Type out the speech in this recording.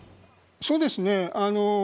そうですね。